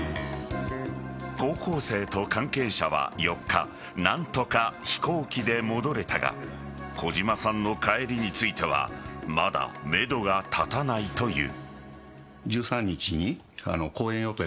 高校生と関係者は４日何とか飛行機で戻れたが小島さんの帰りについてはまだ、めどが立たないという。